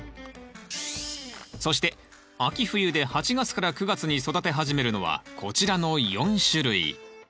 そして秋冬で８月から９月に育て始めるのはこちらの４種類。